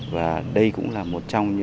và đây cũng là một trong